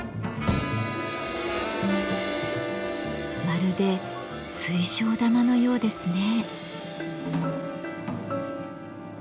まるで水晶玉のようですね。